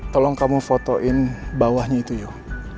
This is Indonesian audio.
tolong kamu fotoin bawahnya itu yuk